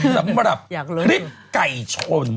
สำหรับคลิปไก่ชน